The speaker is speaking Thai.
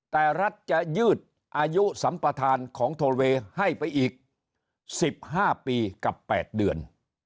แต่รัฐจะยืดอายุสัมประทานของโทเวให้ไปอีกสิบห้าปีกับแปดเดือน